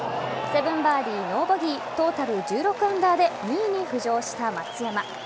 ７バーディー、ノーボギートータル１６アンダーで２位に浮上した松山。